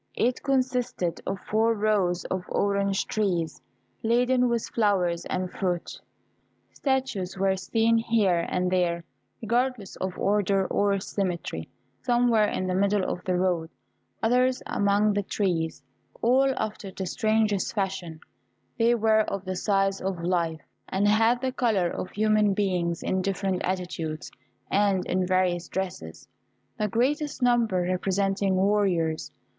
It consisted of four rows of orange trees, laden with flowers and fruit. Statues were seen here and there, regardless of order or symmetry some were in the middle of the road, others among the trees all after the strangest fashion; they were of the size of life, and had the colour of human beings, in different attitudes, and in various dresses, the greatest number representing warriors.